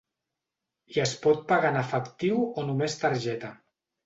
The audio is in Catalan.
I es pot pagar en efectiu o només targeta?